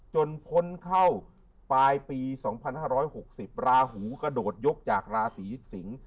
พ้นเข้าปลายปี๒๕๖๐ราหูกระโดดยกจากราศียิตสิงศ์